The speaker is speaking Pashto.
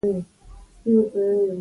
استاد سياف وایي چاپلاري نشي شل کولای.